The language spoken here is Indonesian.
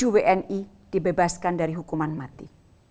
tujuh wni dibebaskan dari hukuman mati